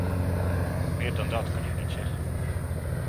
Meer dan dat kan ik niet zeggen.